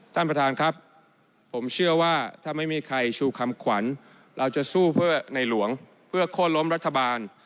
ท่านประธานครับผมเชื่อว่าถ้าไม่มีใครชูคำขวัญเราจะสู้เพื่อในหลวงเพื่อโคตรล้มรัฐบาล